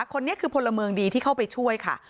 คนนี้คือพลเมืองดีที่เข้าไปช่วยค่ะ